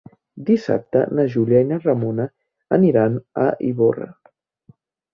Dissabte na Júlia i na Ramona aniran a Ivorra.